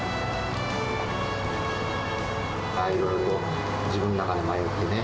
いろいろと自分の中で迷ってね。